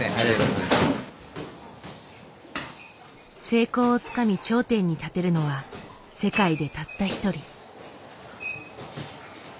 成功をつかみ頂点に立てるのは世界でたった一人。